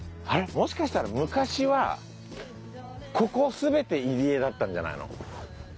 もしかしたら昔はここ全て入り江だったんじゃないの？